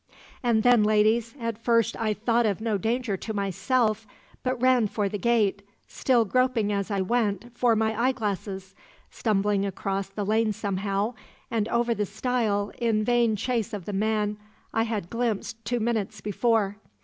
"And then, ladies at first I thought of no danger to myself, but ran for the gate, still groping as I went, for my eyeglasses; stumbled across the lane somehow, and over the stile in vain chase of the man I had glimpsed two minutes before.